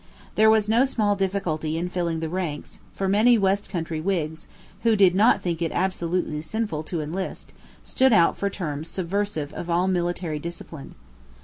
There was no small difficulty in filling the ranks: for many West country Whigs, who did not think it absolutely sinful to enlist, stood out for terms subversive of all military discipline.